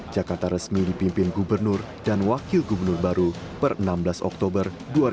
jakarta resmi dipimpin gubernur dan wakil gubernur baru per enam belas oktober dua ribu dua puluh